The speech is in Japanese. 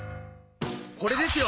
これですよ！